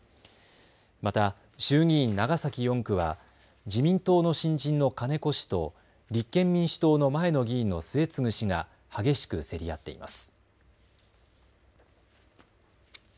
また衆議院長崎４区は自民党の新人の金子氏と立憲民主党の前の議員の末次氏が激しく競り合っています。